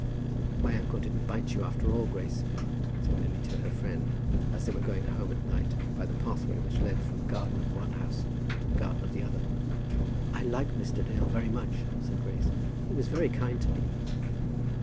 "My uncle didn't bite you after all, Grace," said Lily to her friend as they were going home at night, by the pathway which led from the garden of one house to the garden of the other. "I like Mr. Dale very much," said Grace. "He was very kind to me."